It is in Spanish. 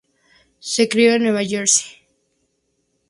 Se crio en Nueva Jersey.